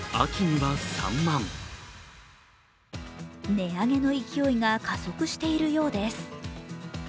値上げの勢いが加速しているようです。